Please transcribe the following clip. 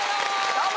どうも！